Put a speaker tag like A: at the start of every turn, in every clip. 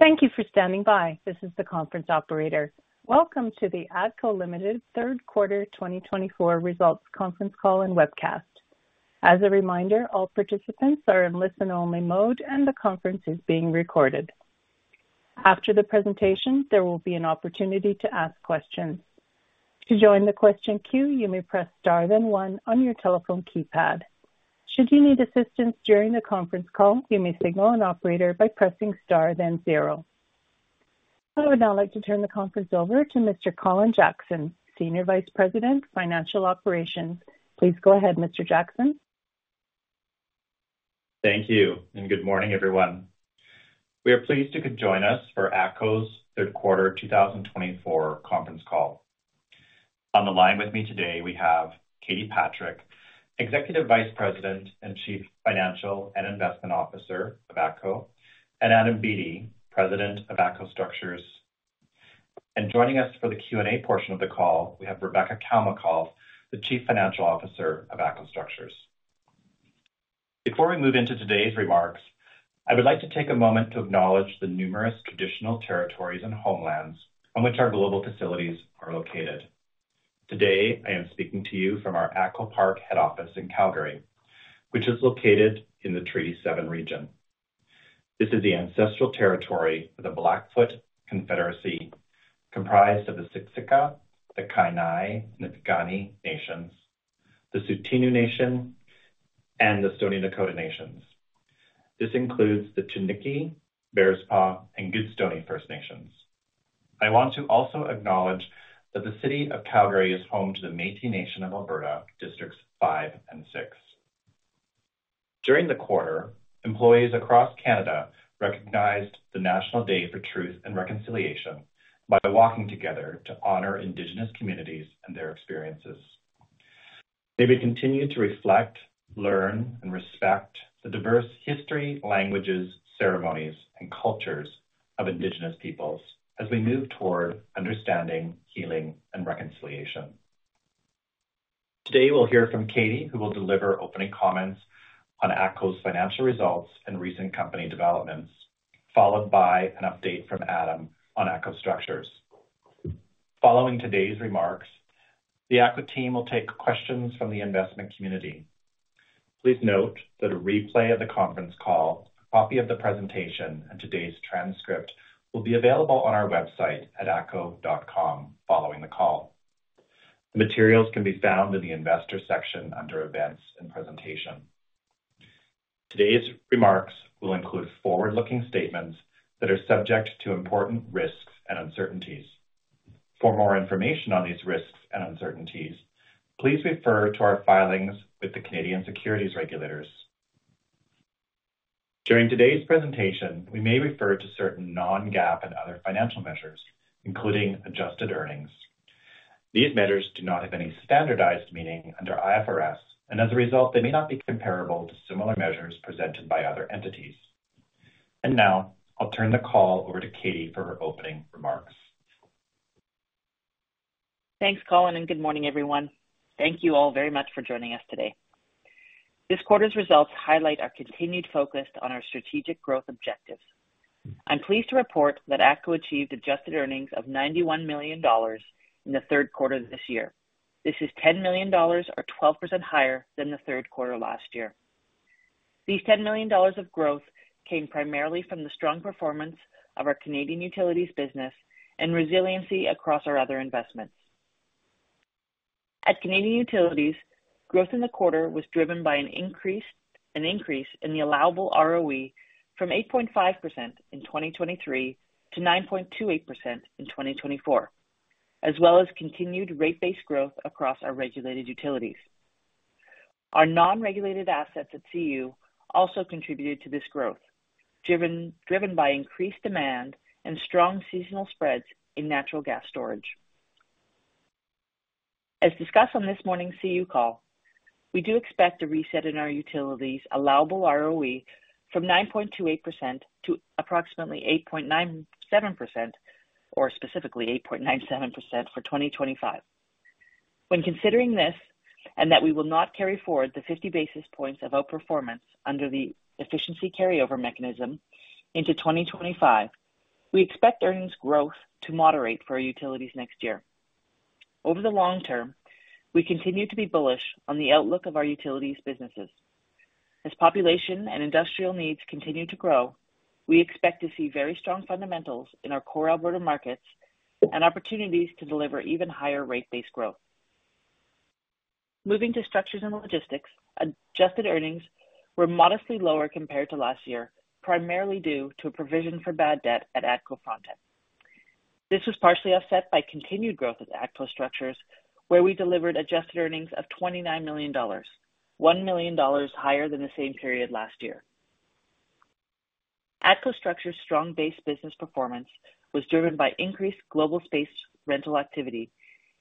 A: Thank you for standing by. This is the conference operator. Welcome to the ATCO Limited Q3 2024 results conference call and webcast. As a reminder, all participants are in listen-only mode, and the conference is being recorded. After the presentation, there will be an opportunity to ask questions. To join the question queue, you may press star then one on your telephone keypad. Should you need assistance during the conference call, you may signal an operator by pressing star then zero. I would now like to turn the conference over to Mr. Colin Jackson, Senior Vice President, Financial Operations. Please go ahead, Mr. Jackson.
B: Thank you, and good morning, everyone. We are pleased you could join us for ATCO's Q3 2024 conference call. On the line with me today, we have Katie Patrick, Executive Vice President and Chief Financial and Investment Officer of ATCO, and Adam Beattie, President of ATCO Structures. And joining us for the Q&A portion of the call, we have Rebecca Kalmacoff, the Chief Financial Officer of ATCO Structures. Before we move into today's remarks, I would like to take a moment to acknowledge the numerous traditional territories and homelands on which our global facilities are located. Today, I am speaking to you from our ATCO Park head office in Calgary, which is located in the Treaty 7 region. This is the ancestral territory of the Blackfoot Confederacy, comprised of the Siksika, the Kainai, and the Piikani Nation, the Tsuut'ina Nation, and the Stoney Nakoda Nations. This includes the Chiniki, Bearspaw, and Goodstoney First Nations. I want to also acknowledge that the city of Calgary is home to the Métis Nation of Alberta, districts 5 and 6. During the quarter, employees across Canada recognized the National Day for Truth and Reconciliation by walking together to honor Indigenous communities and their experiences. They will continue to reflect, learn, and respect the diverse history, languages, ceremonies, and cultures of Indigenous peoples as we move toward understanding, healing, and reconciliation. Today, we'll hear from Katie, who will deliver opening comments on ATCO's financial results and recent company developments, followed by an update from Adam on ATCO Structures. Following today's remarks, the ATCO team will take questions from the investment community. Please note that a replay of the conference call, a copy of the presentation, and today's transcript will be available on our website at atco.com following the call. The materials can be found in the investor section under events and presentation. Today's remarks will include forward-looking statements that are subject to important risks and uncertainties. For more information on these risks and uncertainties, please refer to our filings with the Canadian Securities Regulators. During today's presentation, we may refer to certain non-GAAP and other financial measures, including adjusted earnings. These measures do not have any standardized meaning under IFRS, and as a result, they may not be comparable to similar measures presented by other entities. And now, I'll turn the call over to Katie for her opening remarks.
A: Thanks, Colin, and good morning, everyone. Thank you all very much for joining us today. This quarter's results highlight our continued focus on our strategic growth objectives. I'm pleased to report that ATCO achieved adjusted earnings of 91 million dollars in the Q3 of this year. This is 10 million dollars, or 12% higher than the Q3 last year. These 10 million dollars of growth came primarily from the strong performance of our Canadian utilities business and resiliency across our other investments. At Canadian Utilities, growth in the quarter was driven by an increase in the allowable ROE from 8.5% in 2023 to 9.28% in 2024, as well as continued rate based growth across our regulated utilities. Our non-regulated assets at CU also contributed to this growth, driven by increased demand and strong seasonal spreads in natural gas storage. As discussed on this morning's CU call, we do expect a reset in our utilities' allowable ROE from 9.28% to approximately 8.97%, or specifically 8.97% for 2025. When considering this, and that we will not carry forward the 50 basis points of outperformance under the efficiency carryover mechanism into 2025, we expect earnings growth to moderate for our utilities next year. Over the long term, we continue to be bullish on the outlook of our utilities businesses. As population and industrial needs continue to grow, we expect to see very strong fundamentals in our core Alberta markets and opportunities to deliver even higher rate based growth. Moving to Structures and Logisticis, adjusted earnings were modestly lower compared to last year, primarily due to a provision for bad debt at ATCO Frontec. This was partially offset by continued growth at ATCO Structures, where we delivered adjusted earnings of 29 million dollars, 1 million dollars higher than the same period last year. ATCO Structures' strong base business performance was driven by increased global space rental activity,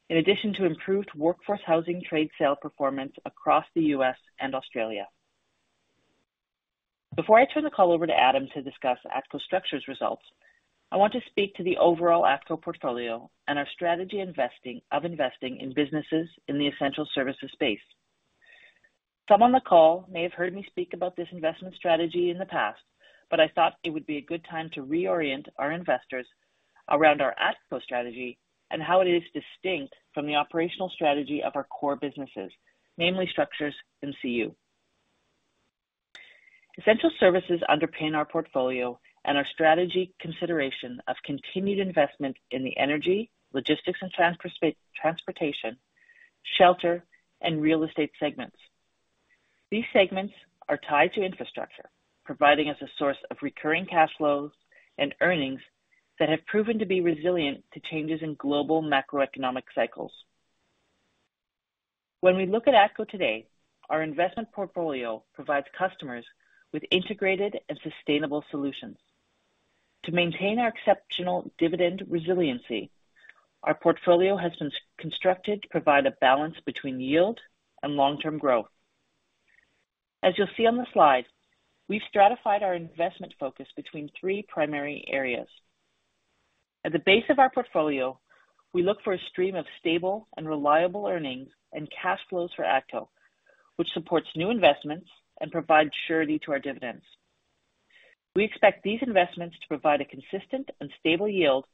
A: in addition to improved workforce housing trade sale performance across the U.S. and Australia. Before I turn the call over to Adam to discuss ATCO Structures' results, I want to speak to the overall ATCO portfolio and our strategy of investing in businesses in the essential services space. Some on the call may have heard me speak about this investment strategy in the past, but I thought it would be a good time to reorient our investors around our ATCO strategy and how it is distinct from the operational strategy of our core businesses, namely structures and CU. Essential services underpin our portfolio and our strategic consideration of continued investment in the energy, logistics, and transportation, shelter, and real estate segments. These segments are tied to infrastructure, providing us a source of recurring cash flows and earnings that have proven to be resilient to changes in global macroeconomic cycles. When we look at ATCO today, our investment portfolio provides customers with integrated and sustainable solutions. To maintain our exceptional dividend resiliency, our portfolio has been constructed to provide a balance between yield and long-term growth. As you'll see on the slide, we've stratified our investment focus between three primary areas. At the base of our portfolio, we look for a stream of stable and reliable earnings and cash flows for ATCO, which supports new investments and provides surety to our dividends. We expect these investments to provide a consistent and stable yield,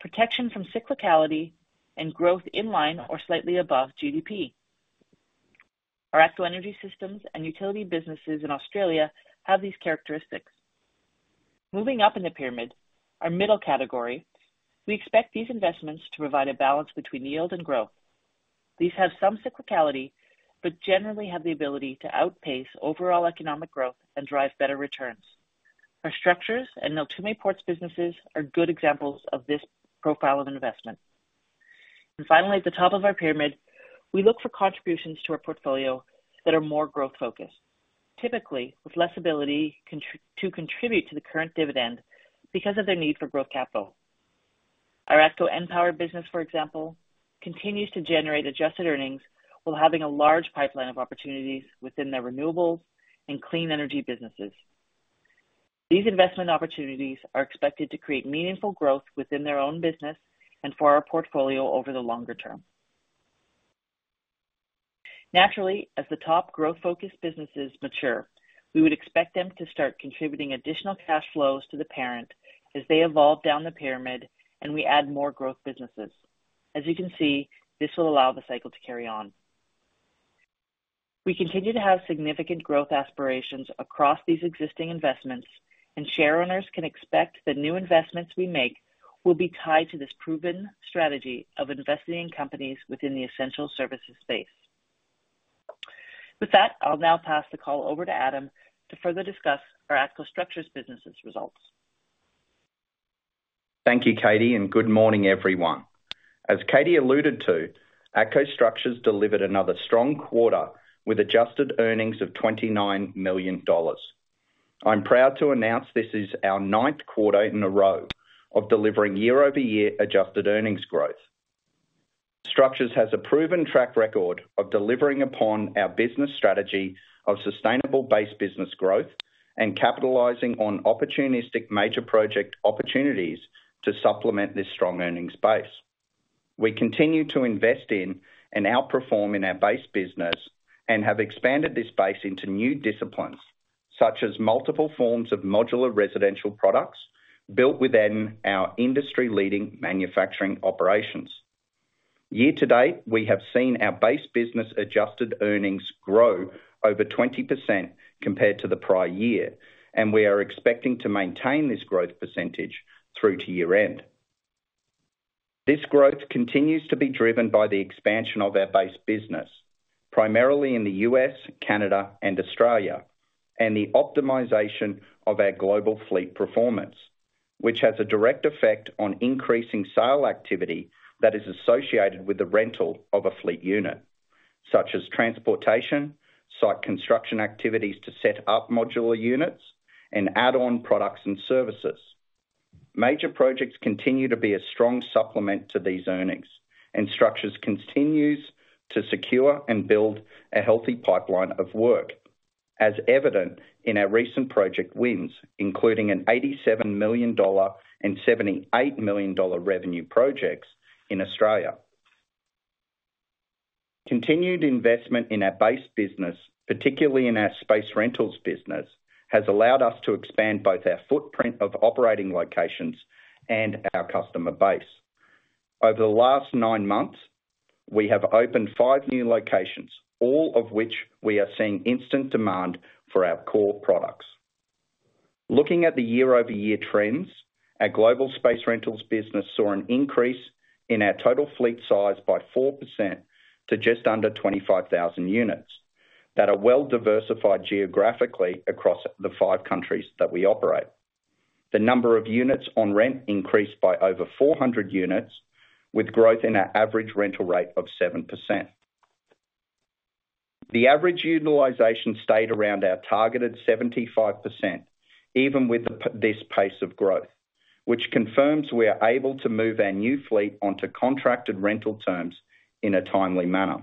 A: protection from cyclicality, and growth in line or slightly above GDP. Our ATCO Energy Systems and utility businesses in Australia have these characteristics. Moving up in the pyramid, our middle category, we expect these investments to provide a balance between yield and growth. These have some cyclicality, but generally have the ability to outpace overall economic growth and drive better returns. Our structures and Neltume Ports businesses are good examples of this profile of investment. And finally, at the top of our pyramid, we look for contributions to our portfolio that are more growth-focused, typically with less ability to contribute to the current dividend because of their need for growth capital. Our ATCO EnPower business, for example, continues to generate adjusted earnings while having a large pipeline of opportunities within their renewables and clean energy businesses. These investment opportunities are expected to create meaningful growth within their own business and for our portfolio over the longer term. Naturally, as the top growth-focused businesses mature, we would expect them to start contributing additional cash flows to the parent as they evolve down the pyramid and we add more growth businesses. As you can see, this will allow the cycle to carry on. We continue to have significant growth aspirations across these existing investments, and share owners can expect the new investments we make will be tied to this proven strategy of investing in companies within the essential services space. With that, I'll now pass the call over to Adam to further discuss our ATCO Structures business's results.
C: Thank you, Katie, and good morning, everyone. As Katie alluded to, ATCO Structures delivered another strong quarter with adjusted earnings of 29 million dollars. I'm proud to announce this is our Q9 in a row of delivering year-over-year adjusted earnings growth. Structures has a proven track record of delivering upon our business strategy of sustainable base business growth and capitalizing on opportunistic major project opportunities to supplement this strong earnings base. We continue to invest in and outperform in our base business and have expanded this base into new disciplines, such as multiple forms of modular residential products built within our industry-leading manufacturing operations. Year to date, we have seen our base business adjusted earnings grow over 20% compared to the prior year, and we are expecting to maintain this growth percentage through to year-end. This growth continues to be driven by the expansion of our base business, primarily in the U.S., Canada, and Australia, and the optimization of our global fleet performance, which has a direct effect on increasing sale activity that is associated with the rental of a fleet unit, such as transportation, site construction activities to set up modular units, and add-on products and services. Major projects continue to be a strong supplement to these earnings, and Structures continues to secure and build a healthy pipeline of work, as evident in our recent project wins, including a 87 million dollar and 78 million dollar revenue projects in Australia. Continued investment in our base business, particularly in our space rentals business, has allowed us to expand both our footprint of operating locations and our customer base. Over the last nine months, we have opened five new locations, all of which we are seeing instant demand for our core products. Looking at the year-over-year trends, our global space rentals business saw an increase in our total fleet size by 4% to just under 25,000 units that are well-diversified geographically across the five countries that we operate. The number of units on rent increased by over 400 units, with growth in our average rental rate of 7%. The average utilization stayed around our targeted 75%, even with this pace of growth, which confirms we are able to move our new fleet onto contracted rental terms in a timely manner.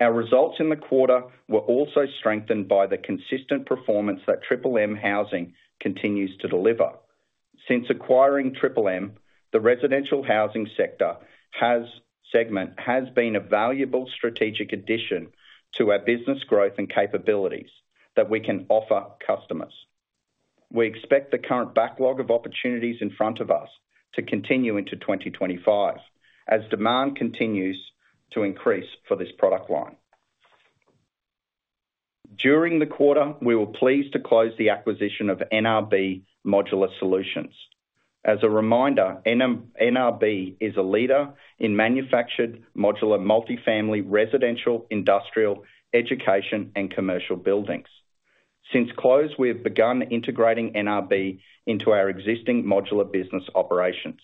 C: Our results in the quarter were also strengthened by the consistent performance that Housing continues to deliver. Since acquiring the residential housing sector has been a valuable strategic addition to our business growth and capabilities that we can offer customers. We expect the current backlog of opportunities in front of us to continue into 2025, as demand continues to increase for this product line. During the quarter, we were pleased to close the acquisition of NRB Modular Solutions. As a reminder, NRB is a leader in manufactured modular multifamily residential, industrial, education, and commercial buildings. Since close, we have begun integrating NRB into our existing modular business operations.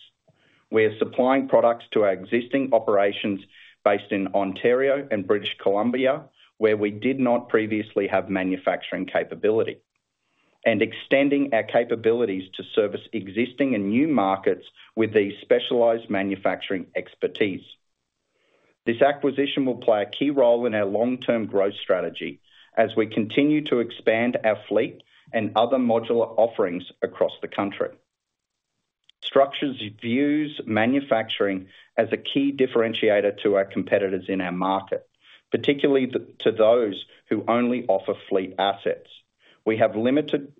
C: We are supplying products to our existing operations based in Ontario and British Columbia, where we did not previously have manufacturing capability, and extending our capabilities to service existing and new markets with the specialized manufacturing expertise. This acquisition will play a key role in our long-term growth strategy as we continue to expand our fleet and other modular offerings across the country. Structures views manufacturing as a key differentiator to our competitors in our market, particularly to those who only offer fleet assets. We have limited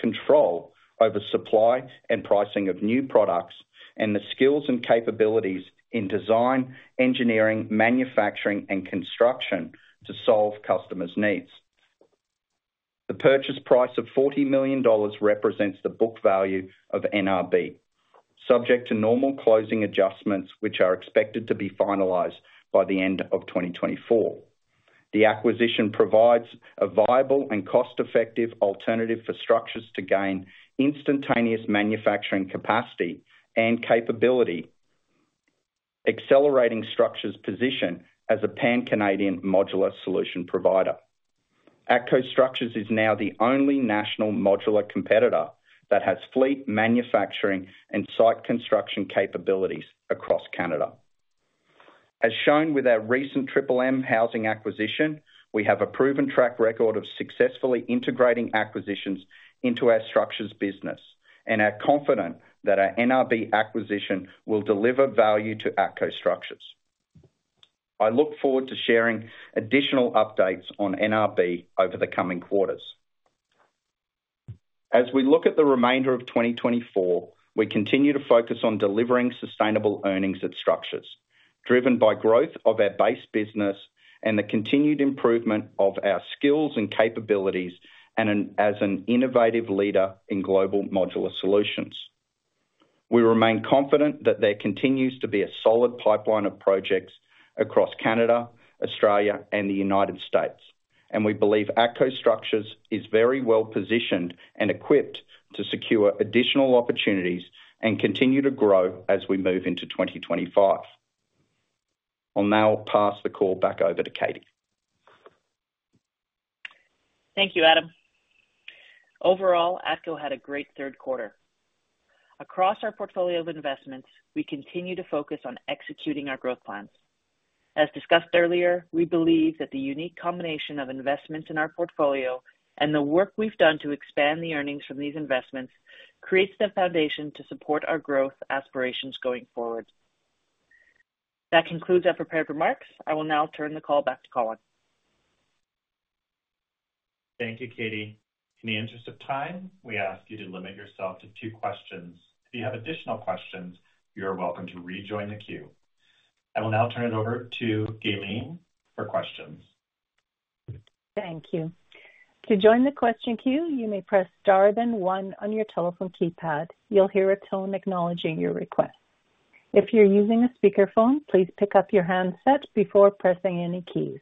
C: control over supply and pricing of new products and the skills and capabilities in design, engineering, manufacturing, and construction to solve customers' needs. The purchase price of 40 million dollars represents the book value of NRB, subject to normal closing adjustments, which are expected to be finalized by the end of 2024. The acquisition provides a viable and cost-effective alternative for Structures to gain instantaneous manufacturing capacity and capability, accelerating Structures' position as a Pan-Canadian modular solution provider. ATCO Structures is now the only national modular competitor that has fleet manufacturing and site construction capabilities across Canada. As shown with our recent housing acquisition, we have a proven track record of successfully integrating acquisitions into our Structures business and are confident that our NRB acquisition will deliver value to ATCO Structures. I look forward to sharing additional updates on NRB over the coming quarters. As we look at the remainder of 2024, we continue to focus on delivering sustainable earnings at Structures, driven by growth of our base business and the continued improvement of our skills and capabilities as an innovative leader in global modular solutions. We remain confident that there continues to be a solid pipeline of projects across Canada, Australia, and the United States, and we believe ATCO Structures is very well positioned and equipped to secure additional opportunities and continue to grow as we move into 2025. I'll now pass the call back over to Katie.
A: Thank you, Adam. Overall, ATCO had a great Q3. Across our portfolio of investments, we continue to focus on executing our growth plans. As discussed earlier, we believe that the unique combination of investments in our portfolio and the work we've done to expand the earnings from these investments creates the foundation to support our growth aspirations going forward. That concludes our prepared remarks. I will now turn the call back to Colin.
B: Thank you, Katie. In the interest of time, we ask you to limit yourself to two questions. If you have additional questions, you're welcome to rejoin the queue. I will now turn it over to Galeen for questions.
D: Thank you. To join the question queue, you may press star then one on your telephone keypad. You'll hear a tone acknowledging your request. If you're using a speakerphone, please pick up your handset before pressing any keys.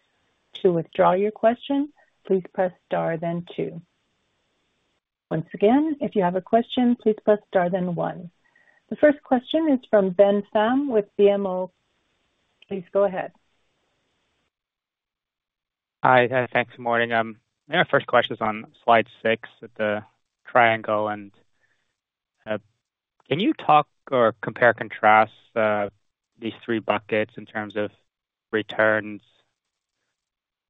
D: To withdraw your question, please press star then two. Once again, if you have a question, please press star then one. The first question is from Ben Pham with BMO. Please go ahead.
E: Hi, thanks. Morning. My first question is on slide six at the triangle. Can you talk or compare and contrast these three buckets in terms of returns,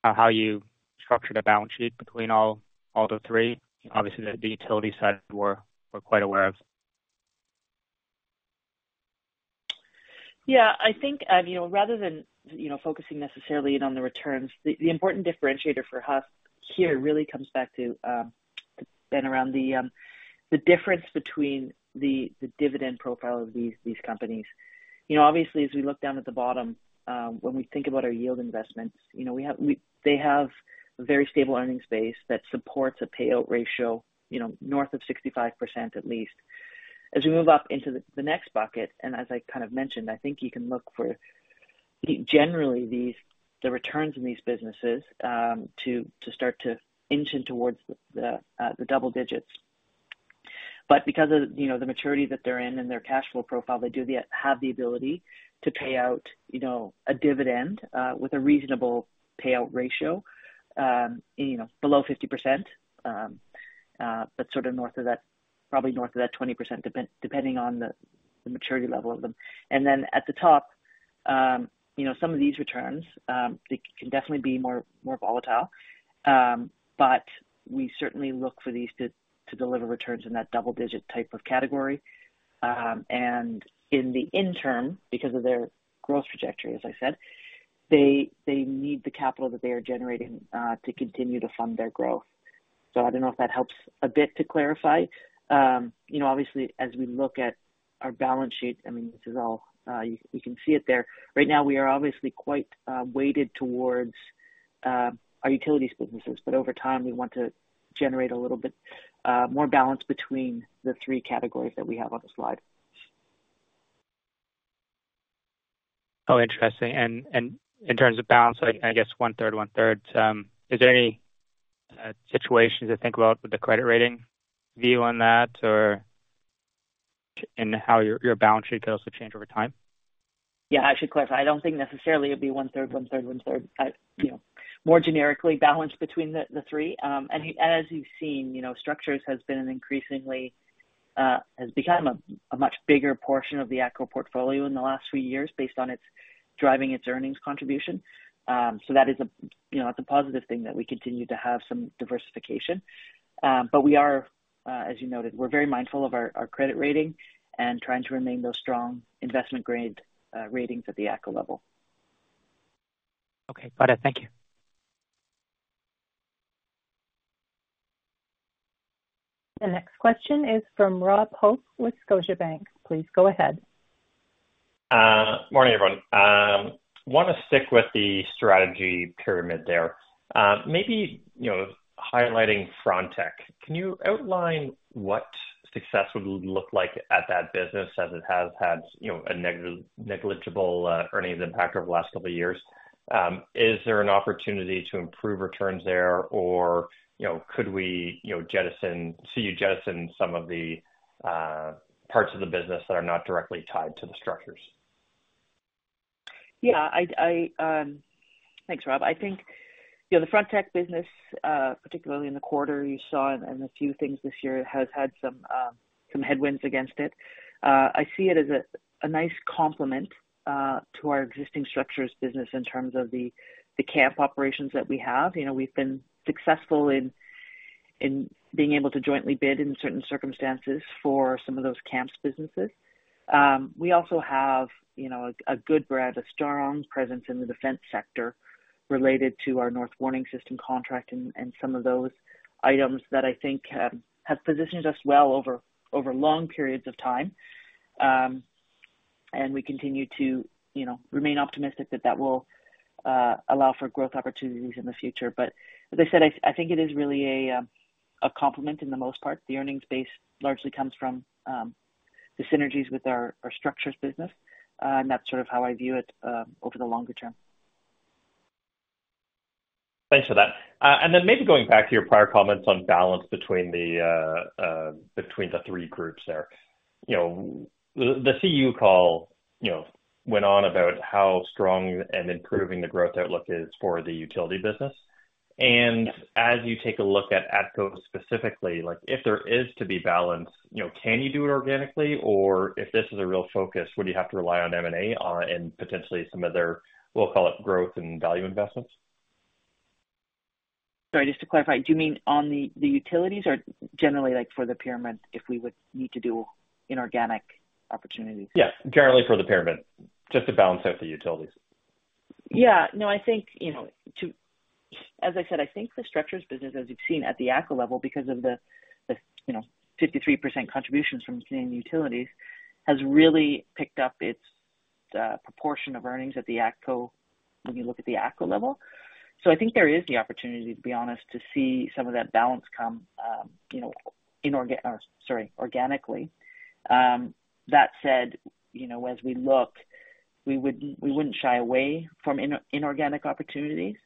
E: how you structured a balance sheet between all the three? Obviously, the utility side we're quite aware of.
D: Yeah, I think rather than focusing necessarily on the returns, the important differentiator for us here really comes back to Ben around the difference between the dividend profile of these companies. Obviously, as we look down at the bottom, when we think about our yield investments, they have a very stable earnings base that supports a payout ratio north of 65% at least. As we move up into the next bucket, and as I kind of mentioned, I think you can look for generally the returns in these businesses to start to inch in towards the double digits. But because of the maturity that they're in and their cash flow profile, they do have the ability to pay out a dividend with a reasonable payout ratio below 50%, but sort of probably north of that 20%, depending on the maturity level of them. And then at the top, some of these returns, they can definitely be more volatile, but we certainly look for these to deliver returns in that double-digit type of category. And in the interim, because of their growth trajectory, as I said, they need the capital that they are generating to continue to fund their growth. So I don't know if that helps a bit to clarify. Obviously, as we look at our balance sheet, I mean, this is all you can see it there. Right now, we are obviously quite weighted towards our utilities businesses, but over time, we want to generate a little bit more balance between the three categories that we have on the slide.
E: Oh, interesting. And in terms of balance, I guess one-third, one-third. Is there any situations to think about with the credit rating view on that or in how your balance sheet could also change over time?
D: Yeah, I should clarify. I don't think necessarily it'd be one-third, one-third, one-third. More generically, balance between the three. And as you've seen, Structures has become a much bigger portion of the ATCO portfolio in the last few years based on driving its earnings contribution. So that is a positive thing that we continue to have some diversification. But as you noted, we're very mindful of our credit rating and trying to remain those strong investment-grade ratings at the ATCO level.
E: Okay, got it. Thank you.
D: The next question is from Rob Hope with Scotiabank. Please go ahead.
F: Morning, everyone. I want to stick with the strategy pyramid there. Maybe highlighting Frontec. Can you outline what success would look like at that business as it has had a negligible earnings impact over the last couple of years? Is there an opportunity to improve returns there, or could we see you jettison some of the parts of the business that are not directly tied to the Structures?
D: Yeah, thanks, Rob. I think the Frontec business, particularly in the quarter you saw and a few things this year, has had some headwinds against it. I see it as a nice complement to our existing Structures business in terms of the camp operations that we have. We've been successful in being able to jointly bid in certain circumstances for some of those camps businesses. We also have a good brand, a strong presence in the defense sector related to our North Warning System contract and some of those items that I think have positioned us well over long periods of time. And we continue to remain optimistic that that will allow for growth opportunities in the future. But as I said, I think it is really a complement in the most part. The earnings base largely comes from the synergies with our Structures business, and that's sort of how I view it over the longer term.
F: Thanks for that. And then maybe going back to your prior comments on balance between the three groups there. The CU call went on about how strong and improving the growth outlook is for the utility business. And as you take a look at ATCO specifically, if there is to be balance, can you do it organically? Or if this is a real focus, would you have to rely on M&A and potentially some of their, we'll call it growth and value investments?
D: Sorry, just to clarify, do you mean on the utilities or generally for the pyramid if we would need to do inorganic opportunities?
F: Yeah, generally for the pyramid, just to balance out the utilities.
D: Yeah. No, I think, as I said, I think the Structures business, as you've seen at the ATCO level, because of the 53% contributions from utilities, has really picked up its proportion of earnings at the ATCO when you look at the ATCO level. So I think there is the opportunity, to be honest, to see some of that balance come in organically. That said, as we look, we wouldn't shy away from inorganic opportunities,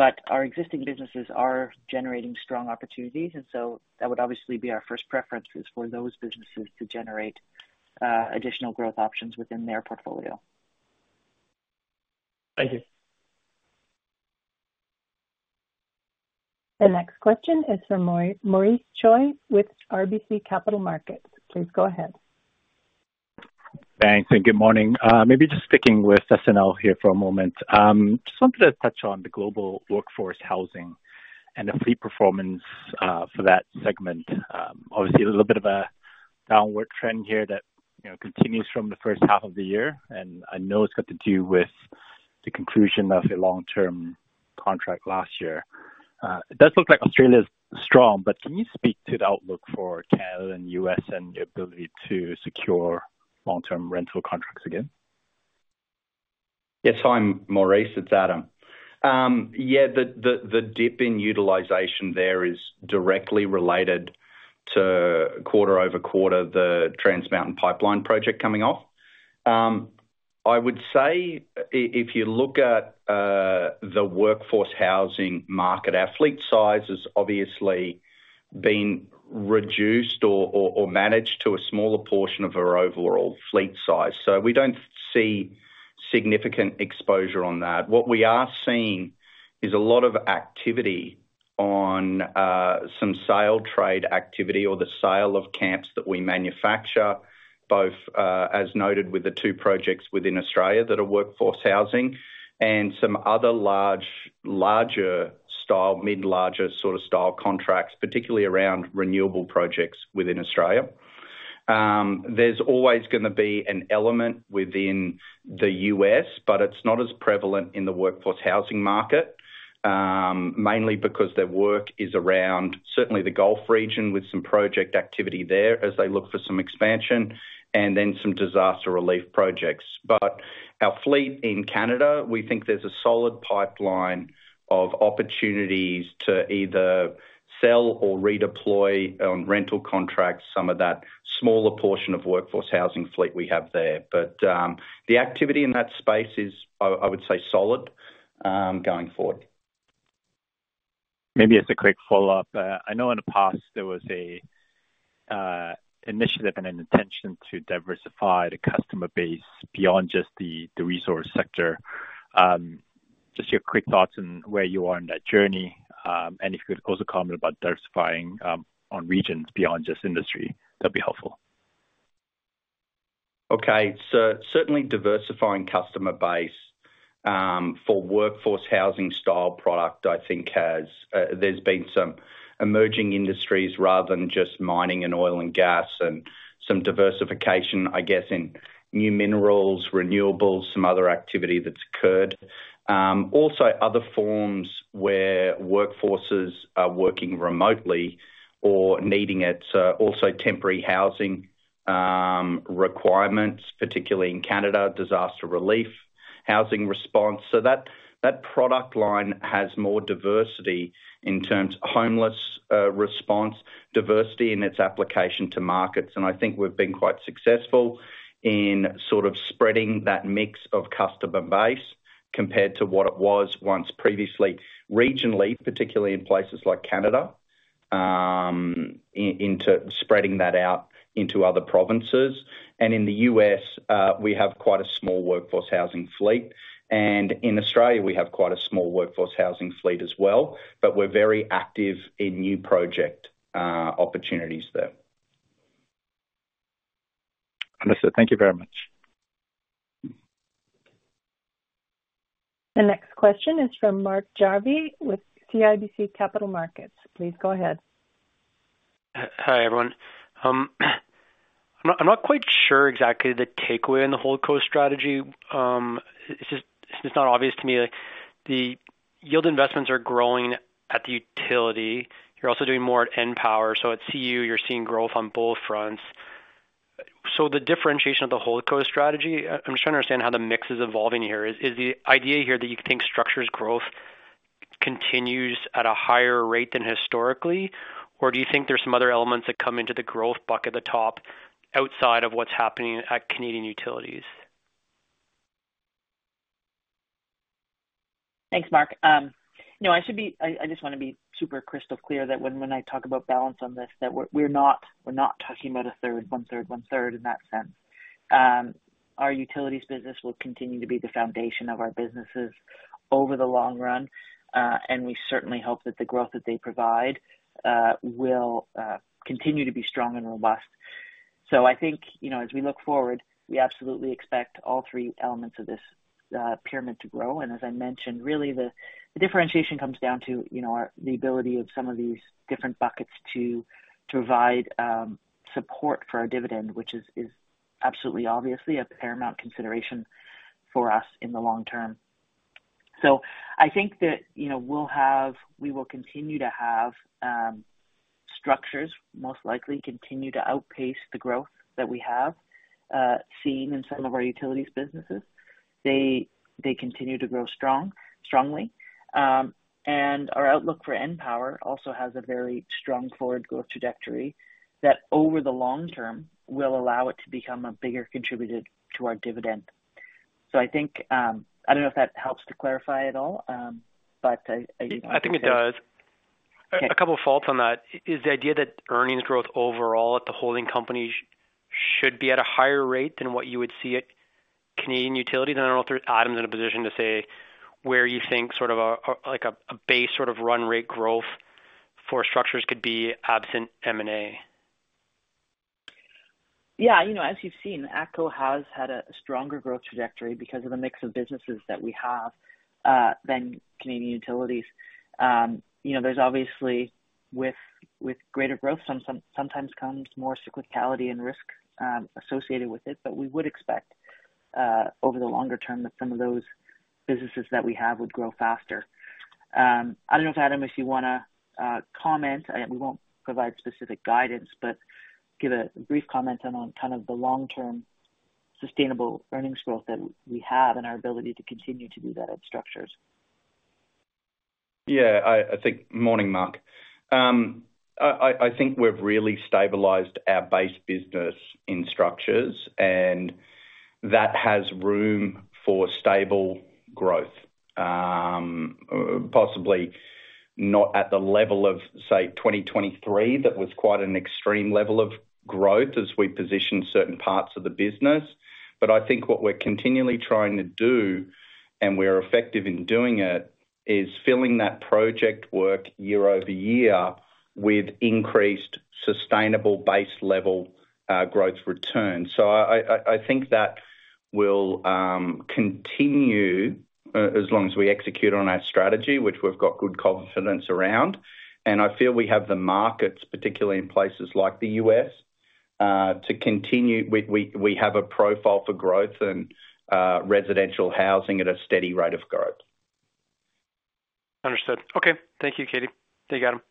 D: but our existing businesses are generating strong opportunities, and so that would obviously be our first preferences for those businesses to generate additional growth options within their portfolio.
F: Thank you.
A: The next question is from Maurice Choy with RBC Capital Markets. Please go ahead.
G: Thanks. And good morning. Maybe just sticking with S&L here for a moment. Just wanted to touch on the global workforce housing and the fleet performance for that segment. Obviously, a little bit of a downward trend here that continues from the first half of the year, and I know it's got to do with the conclusion of a long-term contract last year. It does look like Australia is strong, but can you speak to the outlook for Canada and the U.S. and your ability to secure long-term rental contracts again?
C: Yes, I'm Maurice. It's Adam. Yeah, the dip in utilization there is directly related to quarter -over -quarter, the Trans Mountain Pipeline project coming off. I would say if you look at the workforce housing market, our fleet size has obviously been reduced or managed to a smaller portion of our overall fleet size. So we don't see significant exposure on that. What we are seeing is a lot of activity on some sale trade activity or the sale of camps that we manufacture, both as noted with the two projects within Australia that are workforce housing and some other larger style, mid-larger sort of style contracts, particularly around renewable projects within Australia. There's always going to be an element within the U.S., but it's not as prevalent in the workforce housing market, mainly because their work is around certainly the Gulf region with some project activity there as they look for some expansion and then some disaster relief projects. But our fleet in Canada, we think there's a solid pipeline of opportunities to either sell or redeploy on rental contracts some of that smaller portion of workforce housing fleet we have there. But the activity in that space is, I would say, solid going forward. Maybe as a quick follow-up, I know in the past there was an initiative and an intention to diversify the customer base beyond just the resource sector. Just your quick thoughts on where you are in that journey? And if you could also comment about diversifying on regions beyond just industry, that'd be helpful. Okay.
G: So certainly diversifying customer base for workforce housing style product. I think there's been some emerging industries rather than just mining and oil and gas and some diversification, I guess, in new minerals, renewables, some other activity that's occurred. Also, other forms where workforces are working remotely or needing it. So also temporary housing requirements, particularly in Canada, disaster relief housing response. So that product line has more diversity in terms of homeless response, diversity in its application to markets. And I think we've been quite successful in sort of spreading that mix of customer base compared to what it was once previously regionally, particularly in places like Canada, into spreading that out into other provinces. And in the U.S., we have quite a small workforce housing fleet. And in Australia, we have quite a small workforce housing fleet as well, but we're very active in new project opportunities there. Understood. Thank you very much.
A: The next question is from Mark Jarvi with CIBC Capital Markets. Please go ahead.
H: Hi, everyone. I'm not quite sure exactly the takeaway on the ATCO's strategy. It's just not obvious to me. The yield investments are growing at the utility. You're also doing more at EnPower. So at CU, you're seeing growth on both fronts, so the differentiation of the ATCO's strategy, I'm just trying to understand how the mix is evolving here. Is the idea here that you think Structures growth continues at a higher rate than historically, or do you think there's some other elements that come into the growth bucket at the top outside of what's happening at Canadian Utilities?
A: Thanks, Mark. No, I just want to be super crystal clear that when I talk about balance on this, that we're not talking about a third, one-third, one-third in that sense. Our utilities business will continue to be the foundation of our businesses over the long run, and we certainly hope that the growth that they provide will continue to be strong and robust. So I think as we look forward, we absolutely expect all three elements of this pyramid to grow. And as I mentioned, really, the differentiation comes down to the ability of some of these different buckets to provide support for our dividend, which is absolutely obviously a paramount consideration for us in the long term. So I think that we will continue to have Structures most likely continue to outpace the growth that we have seen in some of our utilities businesses. They continue to grow strongly, and our outlook for EnPower also has a very strong forward growth trajectory that over the long term will allow it to become a bigger contributor to our dividend, so I don't know if that helps to clarify at all, but I.
H: I think it does. A couple of thoughts on that. Is the idea that earnings growth overall at the holding companies should be at a higher rate than what you would see at Canadian utilities? And I don't know if Adam's in a position to say where you think sort of a base sort of run rate growth for Structures could be absent M&A. Yeah. As you've seen, ATCO has had a stronger growth trajectory because of the mix of businesses that we have than Canadian Utilities. There's obviously with greater growth, sometimes comes more cyclicality and risk associated with it, but we would expect over the longer term that some of those businesses that we have would grow faster. I don't know if Adam, if you want to comment. We won't provide specific guidance, but give a brief comment on kind of the long-term sustainable earnings growth that we have and our ability to continue to do that at Structures.
G: Yeah, good morning, Mark. I think we've really stabilized our base business in Structures, and that has room for stable growth, possibly not at the level of, say, 2023 that was quite an extreme level of growth as we positioned certain parts of the business. But I think what we're continually trying to do, and we're effective in doing it, is filling that project work year over year with increased sustainable base level growth return. So I think that will continue as long as we execute on our strategy, which we've got good confidence around. And I feel we have the markets, particularly in places like the U.S., to continue. We have a profile for growth and residential housing at a steady rate of growth.
H: Understood. Okay. Thank you, Katie. Thank you, Adam.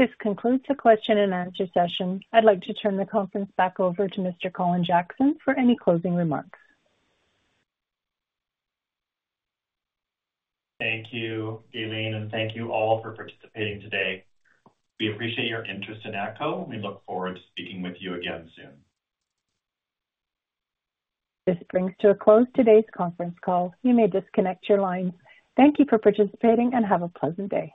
A: This concludes the question and answer session. I'd like to turn the conference back over to Mr. Colin Jackson for any closing remarks.
B: Thank you, Galeen, and thank you all for participating today. We appreciate your interest in ATCO, and we look forward to speaking with you again soon.
A: This brings to a close today's conference call. You may disconnect your lines. Thank you for participating and have a pleasant day.